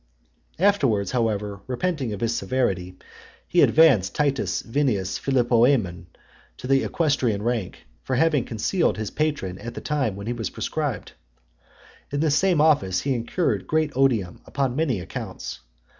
Afterwards, however, repenting of his severity, he advanced T. Vinius Philopoemen to the equestrian rank, for having concealed his patron at the time he was proscribed. In this same office he incurred great odium upon many accounts.